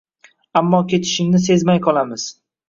Ammo ketishingni sezmay qolamiz.